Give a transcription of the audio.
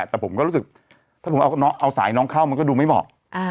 แต่ผมก็รู้สึกถ้าผมเอาสายน้องเข้ามันก็ดูไม่เหมาะ